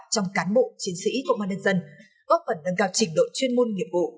trong cán bộ chiến sĩ công an nhân dân góp phần nâng cao trình độ chuyên môn nghiệp vụ